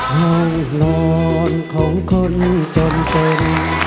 ร้องร้อนของคนจนเต็ม